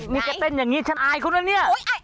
มิเจอเป้นอย่างงี้ฉันอายเขานะเนี่ย